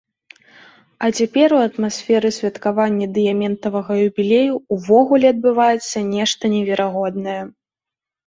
А цяпер у атмасферы святкавання дыяментавага юбілею ўвогуле адбываецца нешта неверагоднае.